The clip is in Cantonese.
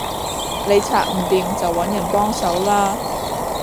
你拆唔掂就搵人幫手啦